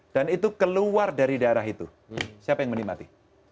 dan itu keluar dari daerah itu siapa yang menikmati